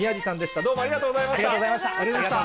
どうもあありがとうございました。